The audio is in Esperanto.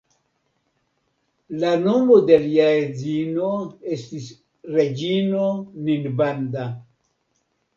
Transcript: La nomo de lia edzino estis reĝino Ninbanda.